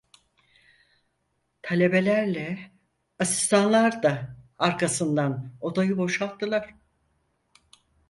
Talebelerle asistanlar da arkasından odayı boşalttılar.